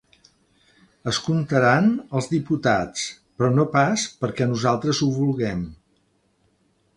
Es comptaran els diputats, però no pas perquè nosaltres ho vulguem.